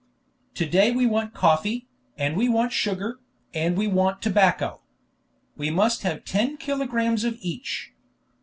"To day we want coffee, and we want sugar, and we want tobacco. We must have ten kilogrammes of each.